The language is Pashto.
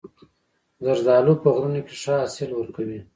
زردالو په غرونو کې ښه حاصل ورکوي.